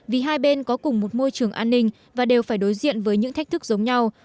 vì hai bên có cùng một môi trường an ninh và đều phải đối diện với những thách thức giống nhau